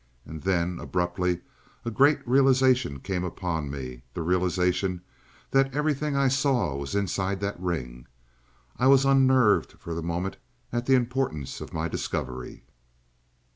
And then, abruptly, a great realization came upon me the realization that everything I saw was inside that ring. I was unnerved for the moment at the importance of my discovery.